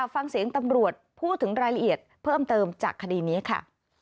ฟังเสียงตำรวจพูดถึงรายละเอียดเพิ่มเติมจากคดีนี้ค่ะ